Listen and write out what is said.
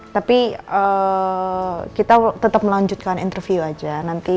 tapi kita tetap melanjutkan interview aja